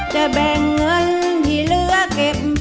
จะแบ่งเงินที่เหลือเก็บ